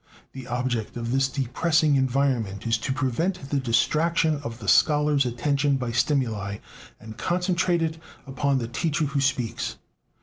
The object of this depressing environment is to prevent the distraction of the scholar's attention by stimuli, and concentrate it upon the teacher who speaks.